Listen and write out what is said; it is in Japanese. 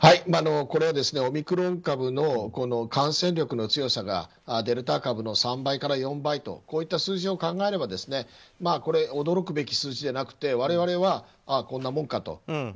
オミクロン株の感染力の強さがデルタ株の３倍から４倍といった数字を考えれば驚くべき数字ではなくて、我々はこんなもんかと。